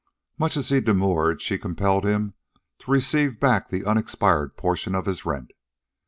Much as he demurred, she compelled him to receive back the unexpired portion of his rent.